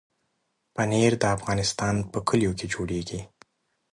پنېر د افغانستان په کلیو کې جوړېږي.